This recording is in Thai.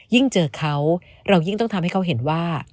ยิ่งเจอเขาเรายิ่งต้องทำให้เขาเห็นว่า